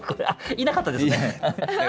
いなかったですね。